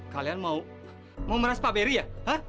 kalian mau meras pak beri ya